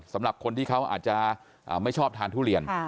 สำหรับคนที่เขาอาจจะไม่ชอบทานทุเรียน